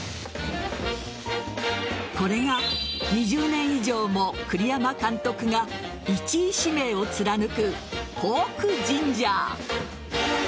これが２０年以上も栗山監督が１位指名を貫くポークジンジャー。